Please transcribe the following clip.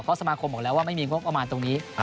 เพราะสมาคมบอกแล้วว่าไม่มีงบประมาณตรงนี้